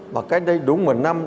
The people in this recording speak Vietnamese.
và cách đây đúng một năm